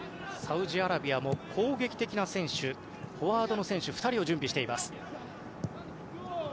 サウジアラビアも攻撃的な選手フォワードの選手２人を準備しています。